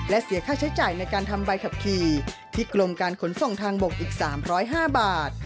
และเสียค่าใช้จ่ายในการทำใบขับขี่ที่กรมการขนส่งทางบกอีก๓๐๕บาท